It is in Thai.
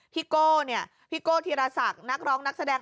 พี่โก้พี่โก้ธีรศัรรย์นักร้องนักแสดง